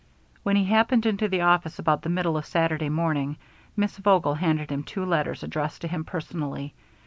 When he happened into the office about the middle of Saturday morning, Miss Vogel handed him two letters addressed to him personally.